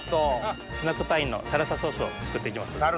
スナックパインのサルサソースを作っていきます。